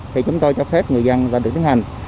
thì chúng tôi cho phép người dân là được tiến hành